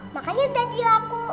makanya udah di laku